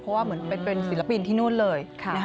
เพราะว่าเหมือนเป็นศิลปินที่นู่นเลย